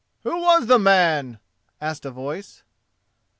"Who was the man?" asked a voice.